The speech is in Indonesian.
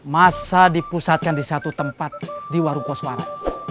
masa dipusatkan di satu tempat di warung koswara